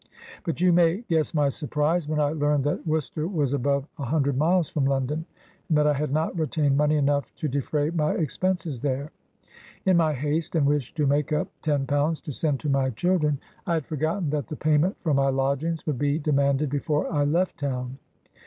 But you may guess my surprise when I 68 BIOGRAPHY OF learned that Worcester was above a hundred miles from London, and that I had not retained money enough to defray my expenses there. In my haste and wish to make up ten pounds to send to my children, I had for gotten that the payment for my lodgings would be demanded before I left town.